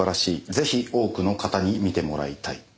ぜひ多くの方に見てもらいたい」